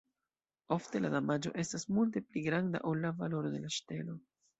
Ofte la damaĝo estas multe pli granda ol la valoro de la ŝtelo.